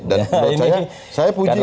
dan menurut saya saya puji kok